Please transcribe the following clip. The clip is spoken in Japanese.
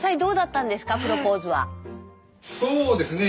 そうですね